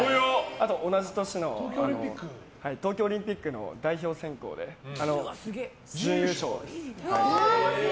あと、同じ年の東京オリンピックの代表選考で準優勝です。